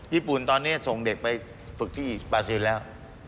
ญี่ปุ่นตอนนี้ส่งเด็กไปฝึกที่บาซิลแล้ว